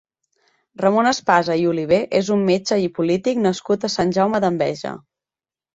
Ramon Espasa i Oliver és un metge i polític nascut a Sant Jaume d'Enveja.